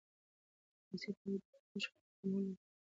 سیاسي پوهاوی د داخلي شخړو د کمولو او بحرانونو د مخنیوي وسیله ده